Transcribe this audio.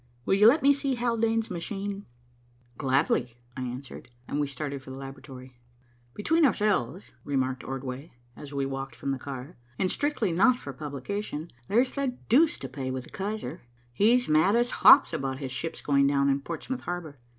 Will you let me see Haldane's machine?" "Gladly," I answered, and we started for the laboratory. "Between ourselves," remarked Ordway, as we walked from the car, "and strictly not for publication, there's the deuce to pay with the Kaiser. He's mad as hops about his ship's going down in Portsmouth Harbor.